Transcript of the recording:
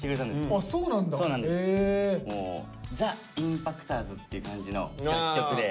ザＩＭＰＡＣＴｏｒｓっていう感じの楽曲で。